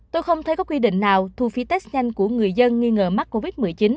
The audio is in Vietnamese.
tôi không thấy có quy định nào thu phí test nhanh của người dân nghi ngờ mắc covid một mươi chín